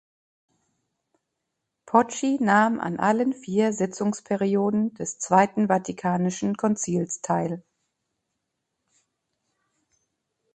Pocci nahm an allen vier Sitzungsperioden des Zweiten Vatikanischen Konzils teil.